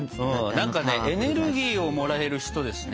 何かねエネルギーをもらえる人ですね。